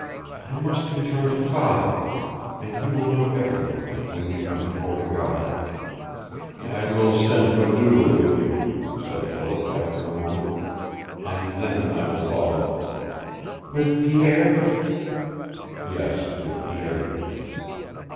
I must return to father, and he will know everything when you come to Fort o' God." "I will send MacDougall with you," said Philip, after a moment. "And then I will follow " "With Pierre." "Yes, with Pierre."